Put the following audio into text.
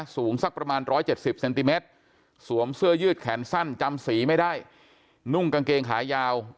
สูงสักประมาณ๑๗๐เซนติเมตรสวมเสื้อยืดแขนสั้นจำสีไม่ได้นุ่งกางเกงขายาว